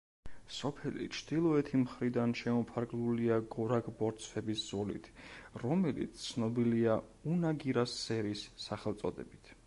სოფელი ჩრდილოეთი მხრიდან შემოფარგლულია გორაკ–ბორცვების ზოლით, რომელიც ცნობილია „უნაგირას სერის“ სახელწოდებით.